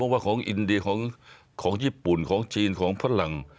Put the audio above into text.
ว่าของอินเดียของญี่ปุ่นของจีนของฝรั่ง